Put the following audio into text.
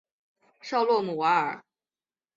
绍洛姆瓦尔。